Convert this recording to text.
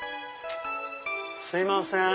すいません！